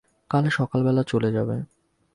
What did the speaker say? কাল সকালবেলা চলে যাব।